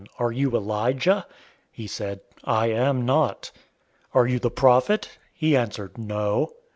Are you Elijah?" He said, "I am not." "Are you the Prophet?" He answered, "No."